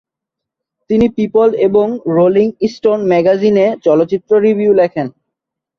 তিনি "পিপল" এবং "Rolling Stone" ম্যাগাজিনে চলচ্চিত্র রিভিউ লেখেন।